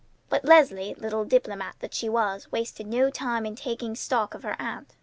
But Leslie, little diplomat that she was, wasted no time in taking stock of her aunt.